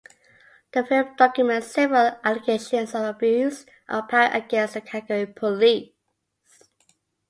The film documents several allegations of abuse of power against the Calgary Police.